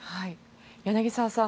柳澤さん